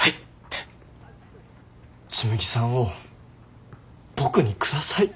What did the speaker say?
紬さんを僕にください。